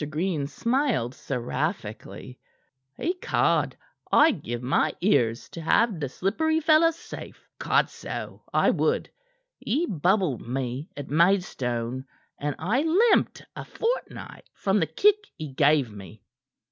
Green smiled seraphically. "Ecod! I'd give my ears to have the slippery fellow safe. Codso! I would. He bubbled me at Maidstone, and I limped a fortnight from the kick he gave me."